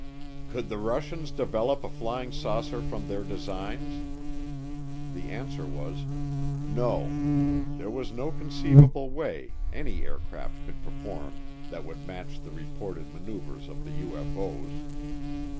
"Could the Russians develop a flying saucer from their designs?" The answer was, "No, there was no conceivable way any aircraft could perform that would match the reported maneuvers of the UFO's."